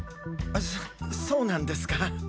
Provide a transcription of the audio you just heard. そそうなんですか。